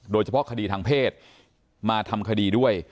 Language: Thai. โดยเฉพาะคดีทางเพศมาทำคดีด้วย